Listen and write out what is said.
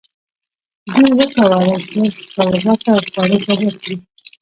دوی وکولی شول خپله غوښه او خواړه کباب کړي.